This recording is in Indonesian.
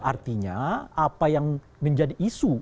artinya apa yang menjadi isu